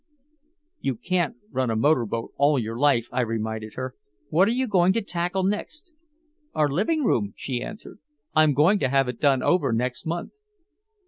"You can't run a motorboat all your life," I reminded her. "What are you going to tackle next?" "Our living room," she answered. "I'm going to have it done over next month."